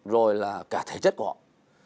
rồi là cả thể chất của họ